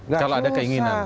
gak susah kalau ada keinginan